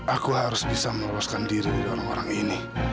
aku harus bisa meloloskan diri dari orang orang ini